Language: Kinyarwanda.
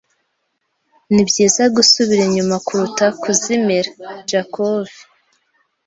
Nibyiza gusubira inyuma kuruta kuzimira. (jakov)